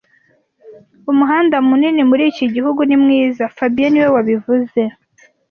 Umuhanda munini muri iki gihugu ni mwiza fabien niwe wabivuze